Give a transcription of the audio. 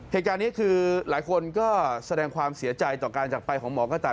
เหตุการณ์นี้คือหลายคนก็แสดงความเสียใจต่อการจักรไปของหมอกระต่าย